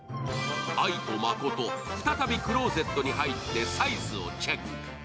愛と誠、再びクローゼットに入ってサイズをチェック。